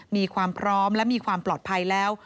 มีความพร้อมและมีความปลอดภัยแล้ว